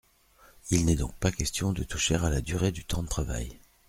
Il n’est donc pas question de toucher à la durée du temps de travail.